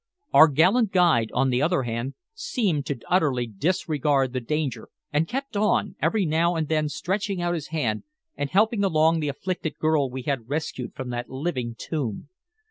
Our gallant guide, on the other hand, seemed to utterly disregard the danger and kept on, every now and then stretching out his hand and helping along the afflicted girl we had rescued from that living tomb.